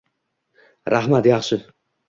Rahmat, yaxshi.